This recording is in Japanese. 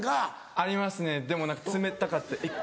ありますねでも冷たかったら。